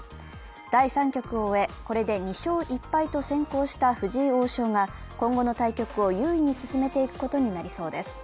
第３局を終え、これで２勝１敗と先行した藤井王将が今後の対局を優位に進めていくことになりそうです。